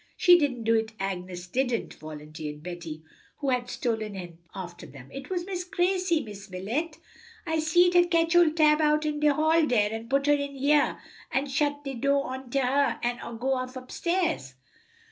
"She didn't do it, Agnes didn't," volunteered Betty, who had stolen in after them; "it was Miss Gracie, Miss Wilet, I seed her ketch ole Tab out in de hall dere, and put her in hyar, an' shut de do onto her, an' go off up stairs."